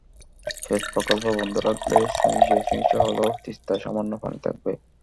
সেচ প্রকল্প বন্ধ রাখলে চুইয়ে চুইয়ে হলেও তিস্তায় সামান্য পানি থাকবে।